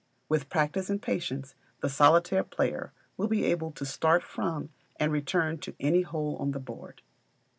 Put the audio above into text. With practice and patience the Solitaire player will be able to start from and return to any hole on the board.